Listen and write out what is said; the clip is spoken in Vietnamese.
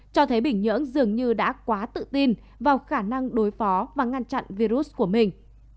cho thấy bình nhưỡng dường như đã quá tự tin vào khả năng đối phó và ngăn chặn virus của mình